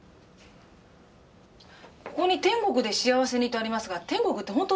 ここに「天国で幸せに」とありますが天国って